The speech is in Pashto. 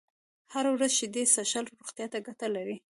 هره ورځ شيدې څښل روغتيا ته گټه لري